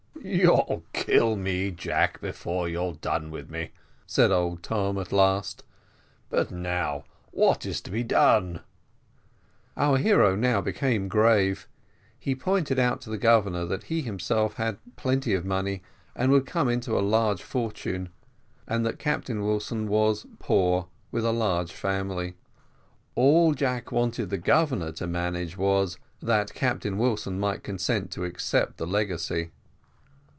"You'll kill me, Jack, before you've done with me," said old Tom, at last; "but now what is to be done?" Our hero now became grave; he pointed out to the Governor that he himself had plenty of money, and would come into a large fortune, and that Captain Wilson was poor, with a large family. All Jack wished the Governor to manage was, that Captain Wilson might consent to accept the legacy.